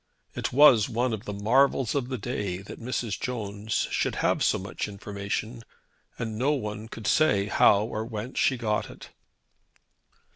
It was one of the marvels of the day that Mrs. Jones should have so much information; and no one could say how or whence she got it.